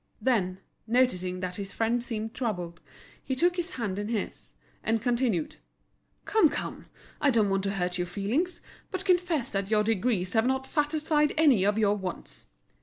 Then, noticing that his friend seemed troubled, he took his hand in his, and continued: "Come, come, I don't want to hurt your feelings, but confess that your degrees have not satisfied any of your wants.